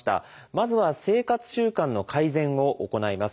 まずは生活習慣の改善を行います。